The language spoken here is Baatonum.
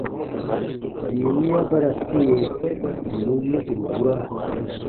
Bii wiya ba ra tie, bù nùn nukuru bura.